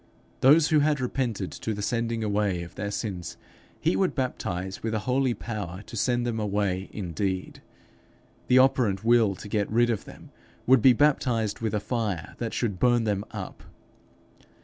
Those who had repented to the sending away of their sins, he would baptize with a holy power to send them away indeed. The operant will to get rid of them would be baptized with a fire that should burn them up.